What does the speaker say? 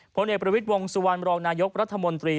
เพราะในประวิติวงศ์สุวรรณรองนายกรัฐมนตรี